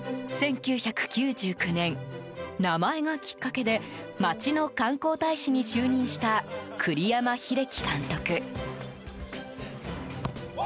１９９９年、名前がきっかけで町の観光大使に就任した栗山英樹監督。